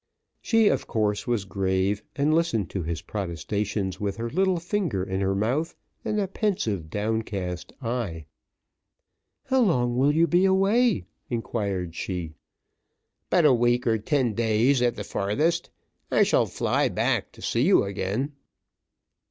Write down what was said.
She, of course, was grave, and listened to his protestations with her little finger in her mouth, and a pensive, down cast eye. "How long will you be away?" inquired she. "But a week or ten days at the farthest. I shall fly back to see you again."